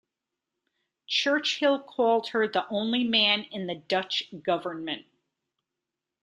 Churchill called her "the only man in the Dutch government".